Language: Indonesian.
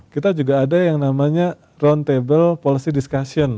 kita juga ada yang namanya roundtable policy discussion